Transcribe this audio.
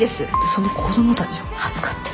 その子供たちを預かってる。